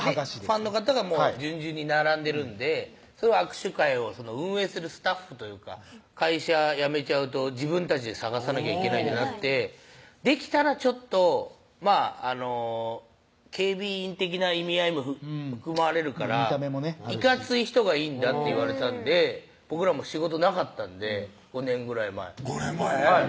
ファンの方がじゅんじゅんに並んでるんで握手会を運営するスタッフというか会社辞めちゃうと自分たちで探さなきゃいけないってなってできたらちょっと警備員的な意味合いも含まれるから「いかつい人がいいんだ」って言われたんで僕らも仕事なかったんで５年ぐらい前５年前？